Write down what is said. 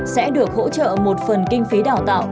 sẽ được hỗ trợ một phần kinh phí đào tạo